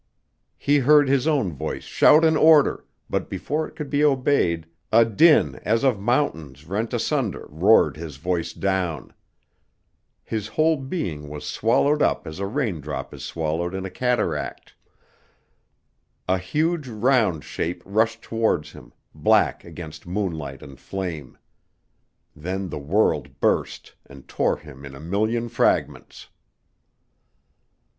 He heard his own voice shout an order, but before it could be obeyed a din as of mountains rent asunder roared his voice down. His whole being was swallowed up as a raindrop is swallowed in a cataract. A huge round shape rushed towards him, black against moonlight and flame. Then the world burst and tore him in a million fragments....